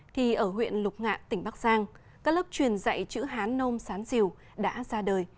thì ở huyện lục ngạn tỉnh bắc giang các lớp truyền dạy chữ hán nôm sán diều đã ra đời